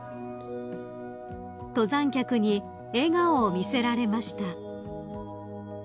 ［登山客に笑顔を見せられました］